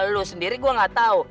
lo sendiri gue gak tahu